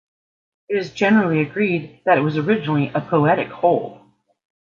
It is generally agreed that it was originally a poetic whole.